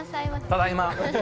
ただいま。